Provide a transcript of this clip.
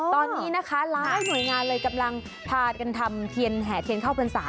ตอนนี้นะคะหลายหน่วยงานเลยกำลังพากันทำเทียนแห่เทียนเข้าพรรษา